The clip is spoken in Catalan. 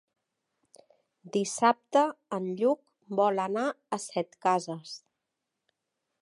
Dissabte en Lluc vol anar a Setcases.